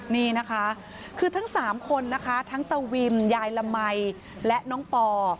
นี่นะคะคือทั้ง๓คนนะคะทั้งตะวิมยายละมัยและน้องปอ